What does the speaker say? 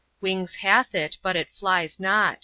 Wings hath it, but it flies not.